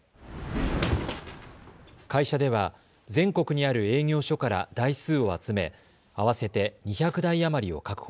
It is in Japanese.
会社では全国にある営業所から台数を集め合わせて２００台余りを確保。